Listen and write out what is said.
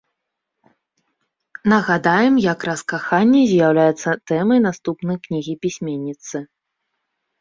Нагадаем, якраз каханне з'яўляецца тэмай наступнай кнігі пісьменніцы.